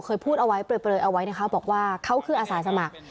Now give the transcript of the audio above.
เคยพูดเอาไว้เปลยเอาไว้นะคะบอกว่าเขาคืออาสาสมัคร